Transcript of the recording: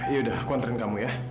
yaudah aku anterin kamu ya